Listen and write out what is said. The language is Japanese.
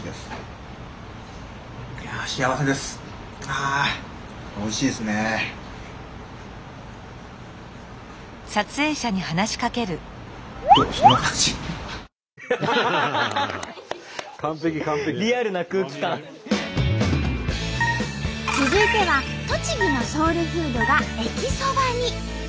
続いては栃木のソウルフードが駅そばに。